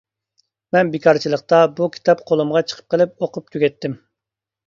مەن بىكارچىلىقتا، بۇ كىتاب قولۇمغا چىقىپ قىلىپ ئوقۇپ تۈگەتتىم.